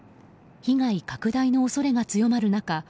被害拡大の恐れが強まる中